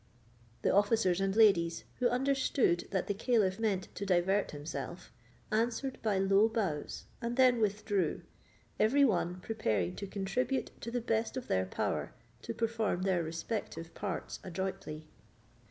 The officers and ladies, who understood that the caliph meant to divert himself, answered by low bows, and then withdrew, every one preparing to contribute to the best of their power to perform their respective parts adroitly.